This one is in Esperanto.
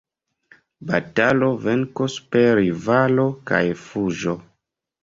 Batalo, venko super rivalo kaj fuĝo.